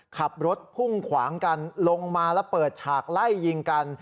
ขับรถพุ่งขวางกันลงมาแล้วเปิดฉากไล่ยิงกัน